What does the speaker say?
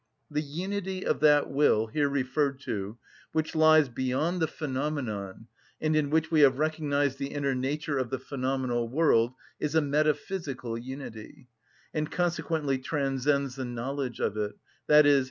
The unity of that will, here referred to, which lies beyond the phenomenon, and in which we have recognised the inner nature of the phenomenal world, is a metaphysical unity, and consequently transcends the knowledge of it, _i.e.